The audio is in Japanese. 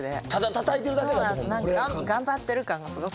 何か頑張ってる感がすごくて。